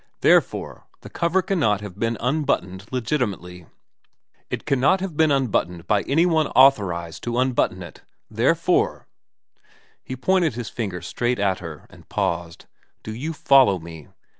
Therefore the cover cannot have been unbuttoned legitimately, it cannot have been unbuttoned by any one authorised to unbutton it. Therefore ' He pointed his finger straight at her and paused. ' Do you follow me